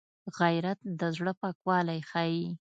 غیرت د زړه پاکوالی ښيي